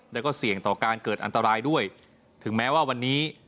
แล้วก็เสี่ยงต่อการเกิดอันตรายด้วยถึงแม้ว่าวันนี้